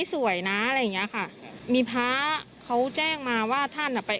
สวยนะอะไรอย่างเงี้ยค่ะมีพระเขาแจ้งมาว่าท่านอ่ะไป